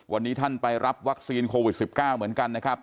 วันนี้ท่านไปรับวัคซีนโควิด๑๙เหมือนกันนะครับ